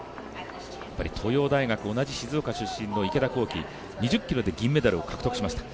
東洋大学、同じ静岡出身の池田向希、２０ｋｍで銀メダルを獲得しました。